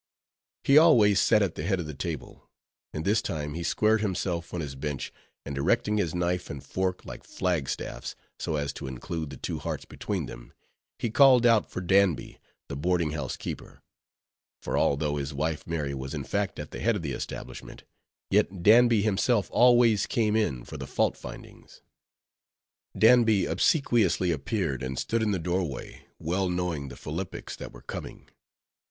He always sat at the head of the table; and this time he squared himself on his bench, and erecting his knife and fork like flag staffs, so as to include the two hearts between them, he called out for Danby, the boarding house keeper; for although his wife Mary was in fact at the head of the establishment, yet Danby himself always came in for the fault findings. Danby obsequiously appeared, and stood in the doorway, well knowing the philippics that were coming.